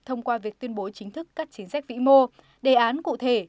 thông qua việc tuyên bố chính thức các chính sách vĩ mô đề án cụ thể